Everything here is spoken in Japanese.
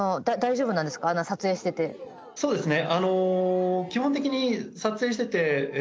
そうですね。